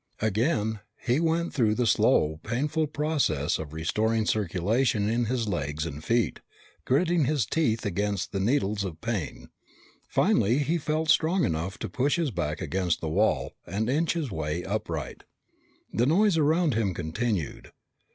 Again he went through the slow, painful process of restoring circulation in his legs and feet, gritting his teeth against the needles of pain. Finally he felt strong enough to push his back against the wall and inch his way upright. The noise around him continued.